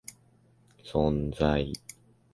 存外気がつかずにいるわけである